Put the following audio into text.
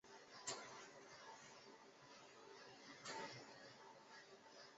同时进行的故事也介绍的一位名叫凯西阿美斯的女孩。